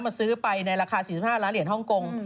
ซื้อไปในราคา๔๕ล้านเหรียญฮ่องกง